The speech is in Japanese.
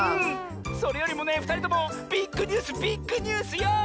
それよりもねふたりともビッグニュースビッグニュースよ！